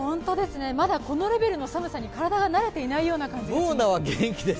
まだこのレベルの寒さに体が慣れていないような感じがします。